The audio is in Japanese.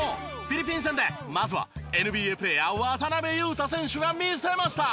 フィリピン戦でまずはＮＢＡプレーヤー渡邊雄太選手が見せました！